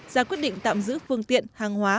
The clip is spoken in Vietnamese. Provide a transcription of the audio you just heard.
ra quyết định tạm giữ phương tiện hàng hóa